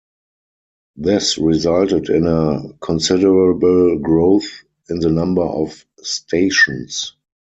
This resulted in a considerable growth in the number of stations.